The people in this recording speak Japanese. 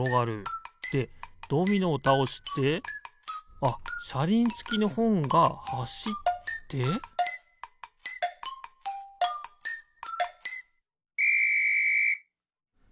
でドミノをたおしてあっしゃりんつきのほんがはしってピッ！